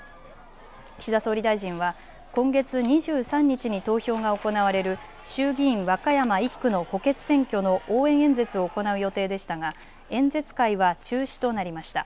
岸田総理大臣は今月２３日に投票が行われる衆議院和歌山１区の補欠選挙の応援演説を行う予定でしたが演説会は中止となりました。